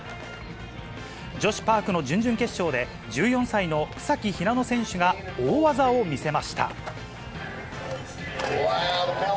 女子パークの準々決勝で、１４歳の草木ひなの選手が大技を見せました。